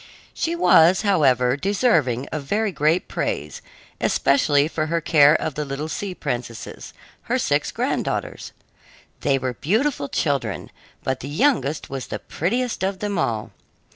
She was, however, deserving of very great praise, especially for her care of the little sea princesses, her six granddaughters. They were beautiful children, but the youngest was the prettiest of them all.